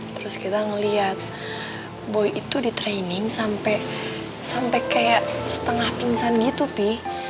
terus kita ngeliat boy itu di training sampai kayak setengah pingsan gitu pi